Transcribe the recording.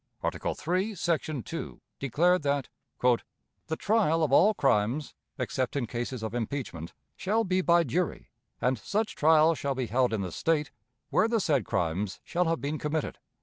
Article III, section 2, declared that "The trial of all crimes, except in cases of impeachment, shall be by jury; and such trial shall be held in the State where the said crimes shall have been committed."